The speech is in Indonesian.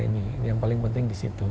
ini yang paling penting di situ